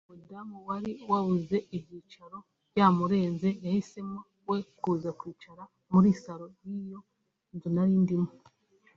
Hari umudamu wari wabuze ibyicaro byamurenze yahisemo we kuza kwicara muri salon y’iyo nzu nari ndimo